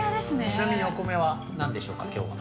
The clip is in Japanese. ◆ちなみに、お米は何でしょうかきょうは。